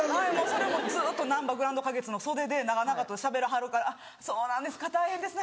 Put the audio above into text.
それもずっとなんばグランド花月の袖で長々としゃべらはるから「そうなんですか大変ですね。